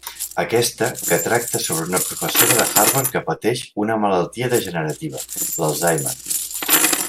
Aquesta, que tracta sobre una professora de Harvard que pateix una malaltia degenerativa, l'Alzheimer.